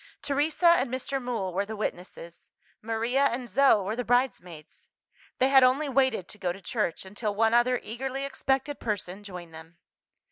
Teresa and Mr. Mool were the witnesses; Maria and Zo were the bridesmaids: they had only waited to go to church, until one other eagerly expected person joined them.